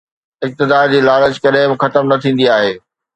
اقتدار جي لالچ ڪڏهن به ختم نه ٿيندي آهي